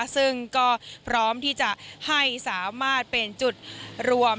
ซึ่งก็พร้อมที่จะให้สามารถเป็นจุดรวม